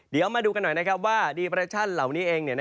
เดี๋ยวมาดูกันหน่อยนะครับว่าดีเปรชั่นเหล่านี้เอง